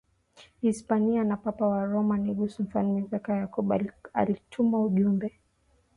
Hispania na Papa wa Roma Negus Mfalme Zara Yakubu akatuma ujumbe